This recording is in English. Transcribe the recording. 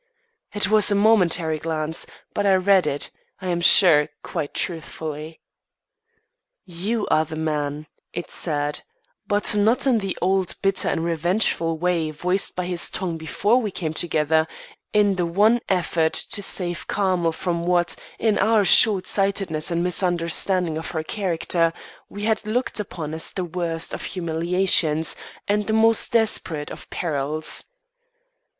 It was a momentary glance, but I read it, I am sure, quite truthfully. "You are the man," it said; but not in the old, bitter, and revengeful way voiced by his tongue before we came together in the one effort to save Carmel from what, in our short sightedness and misunderstanding of her character, we had looked upon as the worst of humiliations and the most desperate of perils.